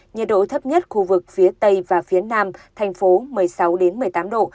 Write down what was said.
nhiệt độ thấp nhất khu vực phía tây và phía nam thành phố một mươi sáu một mươi tám độ